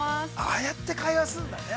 ◆ああやって会話するんだね。